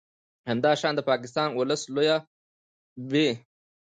همداشان د پاکستان ولس لویه ب